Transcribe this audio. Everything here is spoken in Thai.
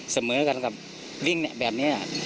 เสมอกันกับวิ่งแบบนี้แหละ